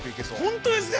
◆本当ですね。